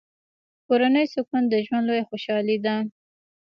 کورنی سکون د ژوند لویه خوشحالي ده.